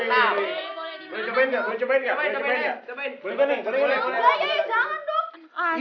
ini mulai dari mana nih